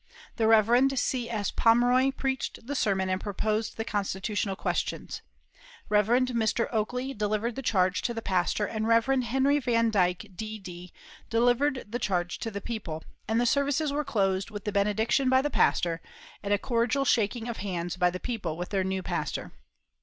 The Rev. C.S. Pomeroy preached the sermon and proposed the constitutional questions. Rev. Mr. Oakley delivered the charge to the pastor, and Rev. Henry Van Dyke, D.D., delivered the charge to the people; and the services were closed with the benediction by the pastor, and a cordial shaking of hands by the people with their new pastor."